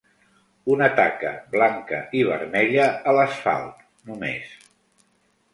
Una taca blanca i vermella a l'asfalt, només.